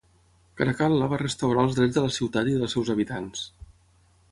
Caracal·la va restaurar els drets de la ciutat i dels seus habitants.